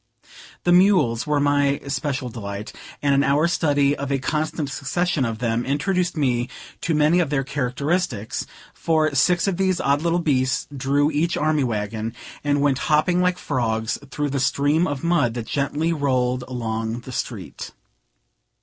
The mules were my especial delight; and an hour's study of a constant succession of them introduced me to many of their characteristics; for six of these odd little beasts drew each army wagon, and went hopping like frogs through the stream of mud that gently rolled along the street.